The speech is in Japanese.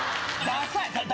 ダサい！